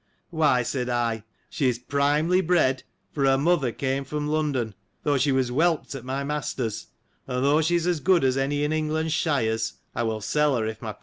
— Why, said I, she is primely bred; for her mother came from London, though she was whelpt at my master's ; and though she is as good as any in England's shires, I will sell her if my price come.